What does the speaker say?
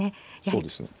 そうですね。